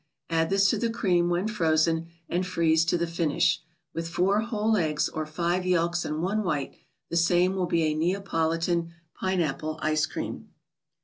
Add this to the cream when frozen, and freeze to the finish. With four whole eggs or five yelks and one white, the same will be a " Neapolitan Pine¬ apple Ice Cream."